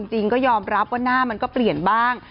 จริงก็ยอมรับว่าหน้ามันก็เปลี่ยนบ้าง